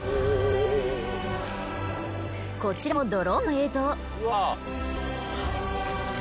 こちらもドローンの映像。